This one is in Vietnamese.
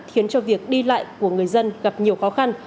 khiến cho việc đi lại của người dân gặp nhiều khó khăn